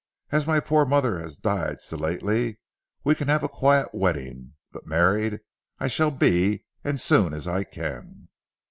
As my poor mother has died so lately, we can have a quiet wedding; but married I shall be and as soon as I can."